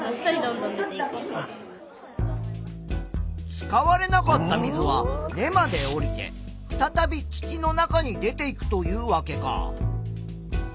使われなかった水は根まで下りてふたたび土の中に出ていくというわけか。